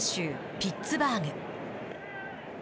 ピッツバーグ。